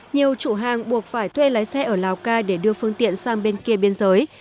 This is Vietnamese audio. nhiều chủ hàng buộc phải thuê lái xe ở lào cai để đưa phương tiện sang bên kia biên giới